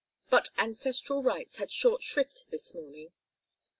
But ancestral rights had short shrift this morning.